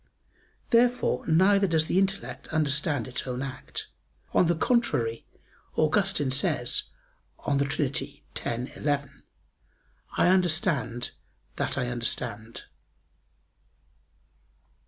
Therefore neither does the intellect understand its own act. On the contrary, Augustine says (De Trin. x, 11), "I understand that I understand."